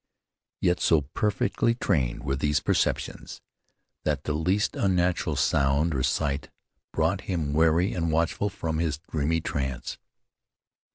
Yet so perfectly trained were these perceptions that the least unnatural sound or sight brought him wary and watchful from his dreamy trance.